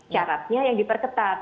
caranya yang diperketat